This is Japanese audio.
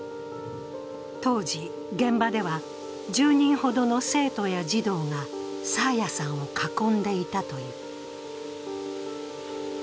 当時現場では、１０人ほどの生徒や児童が爽彩さんを囲んでいたという。